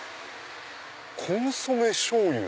「コンソメしょうゆ」。